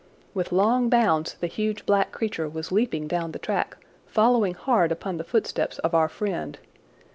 With long bounds the huge black creature was leaping down the track, following hard upon the footsteps of our friend.